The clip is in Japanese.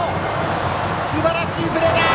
すばらしいプレーだ！